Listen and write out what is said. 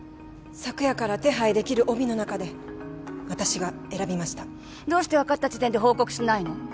昨夜から手配できる帯の中で私が選びましたどうして分かった時点で報告しないの？